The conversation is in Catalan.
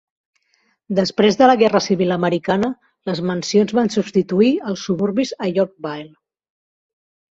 Després de la Guerra Civil Americana, les mansions van substituir els suburbis a Yorkville.